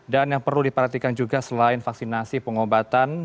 dan yang perlu diperhatikan juga selain vaksinasi pengobatan